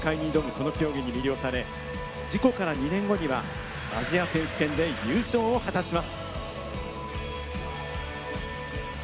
この競技に魅了され事故から２年後にはアジア選手権で優勝を果たします。